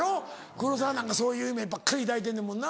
黒沢なんかそういう夢ばっかり抱いてんねんもんな。